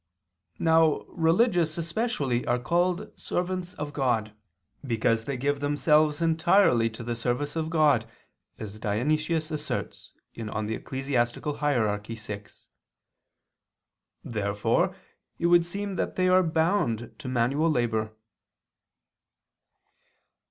Now religious especially are called servants of God, because they give themselves entirely to the service of God, as Dionysius asserts (Eccl. Hier. vi). Therefore it would seem that they are bound to manual labor.